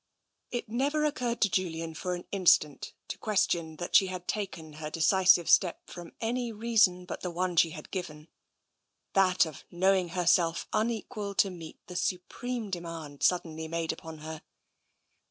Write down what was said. It never occurred to Julian for an instant to questic«i that she had taken her decisive step from any reason but the one she had given : that of knowing herself un equal to meet the supreme demand suddenly made upon her.